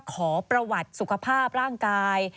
ขอประวัติสุขภาพร่างกาย